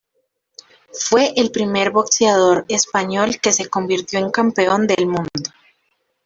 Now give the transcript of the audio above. Fue el primer boxeador español que se convirtió en campeón del mundo.